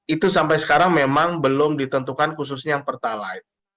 itu sampai sekarang memang belum ditentukan khususnya yang pertalite